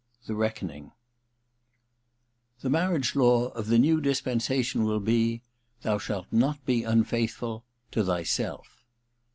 THE RECKONING '95 ,■* I * The marriage law of the new dispensation will be : 2'hou shah not be unfaithful — to thyself.